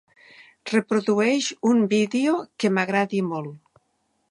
Reprodueix un vídeo que m'agradi molt.